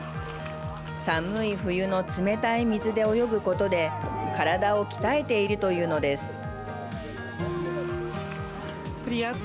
寒い冬の冷たい水で泳ぐことで体を鍛えているというのです。